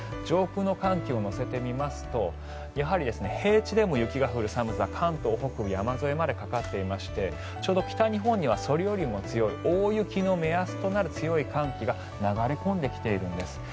上空の寒気を載せて見ますとやはり平地でも雪が降る寒さ関東北部山沿いまでかかっていましてちょうど北日本にはそれよりも強い大雪の目安となる強い寒気が流れ込んできているんです。